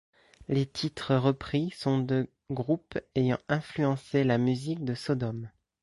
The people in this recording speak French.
Les titres repris sont de groupes ayant influencé la musique de Sodom.